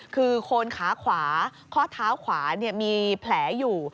คือโคนขาขวาข้อเท้าขวามีแผลอยู่